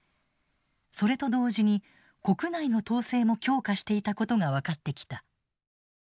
それと同時に国内の統制も強化していたことが分かってきた。